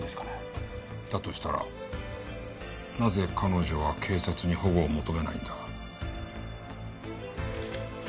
だとしたらなぜ彼女は警察に保護を求めないんだ？